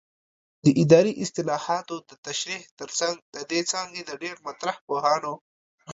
د اداري اصطلاحاتو د تشریح ترڅنګ د دې څانګې د ډېری مطرح پوهانو